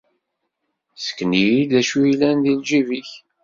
Ssken-iyi-d acu yellan di lǧib-ik.